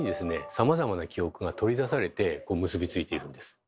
さまざまな記憶が取り出されて結びついているんです。